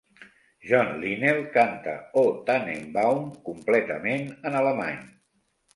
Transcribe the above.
John Linnell canta "O Tannenbaum" completament en alemany.